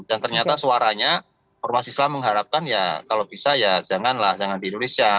dan ternyata suaranya ormas islam mengharapkan ya kalau bisa ya janganlah jangan di indonesia